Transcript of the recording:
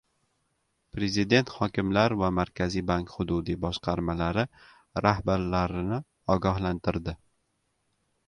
Prezident hokimlar va Markaziy bank hududiy boshqarmalari rahbarlarini ogohlantirdi